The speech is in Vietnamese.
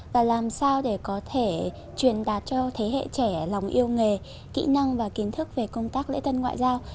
và làm sao để có thể truyền đạt cho thế hệ trẻ lòng yêu nghề kỹ năng và kiến thức về công tác lễ tân ngoại giao